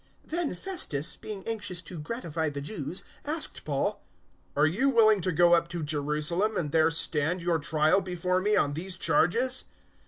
025:009 Then Festus, being anxious to gratify the Jews, asked Paul, "Are you willing to go up to Jerusalem, and there stand your trial before me on these charges?"